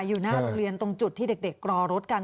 อยู่หน้าโรงเรียนตรงจุดที่เด็กรอรถกัน